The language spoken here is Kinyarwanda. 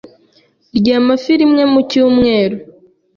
Rya amafi rimwe mu cyumweru